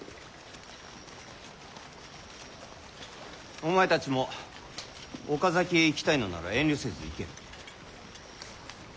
お前たちも岡崎へ行きたいのなら遠慮せず行け。